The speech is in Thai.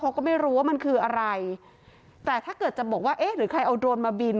เขาก็ไม่รู้ว่ามันคืออะไรแต่ถ้าเกิดจะบอกว่าเอ๊ะหรือใครเอาโดรนมาบิน